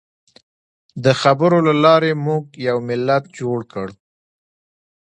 د خبرو له لارې موږ یو ملت جوړ کړ.